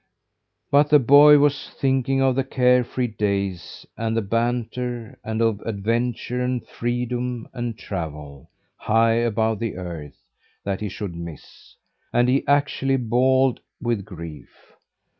But the boy was thinking of the care free days and the banter; and of adventure and freedom and travel, high above the earth, that he should miss, and he actually bawled with grief.